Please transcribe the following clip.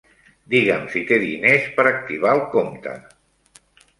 Digui'm si té diners per activar el compte.